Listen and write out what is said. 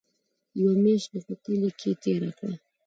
يوه مياشت مې په کلي کښې تېره کړه.